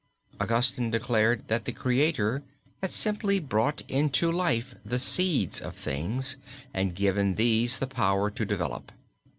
Augustine declared that the Creator had simply brought into life the seeds of things, and given these the power to develop.